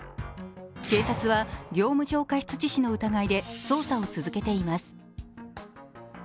警察は業務上過失致死の疑いで捜査を続けています。